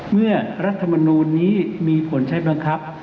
เมื่อรัฐมนุมนี้มีผลใช้บังคับ